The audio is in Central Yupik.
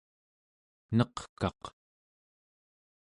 neqkaq